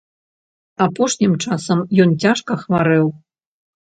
Апошнім часам ён цяжка хварэў.